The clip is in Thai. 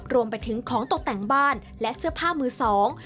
รวมไปถึงของตกแต่งบ้านและเสื้อผ้ามือสอง